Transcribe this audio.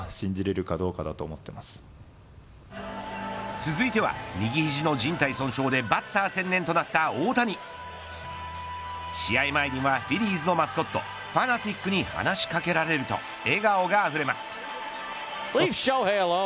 続いては、右肘の靭帯損傷でバッター専念となった大谷を試合前にはフィリーズのマスコットファナティックに話しかけられると笑顔があふれます。